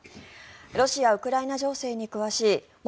ロシア、ウクライナ情勢に詳しい元